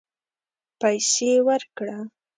پیسې ورکړه